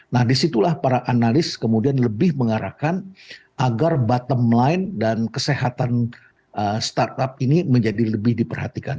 nah disitulah para analis kemudian lebih mengarahkan agar bottom line dan kesehatan startup ini menjadi lebih diperhatikan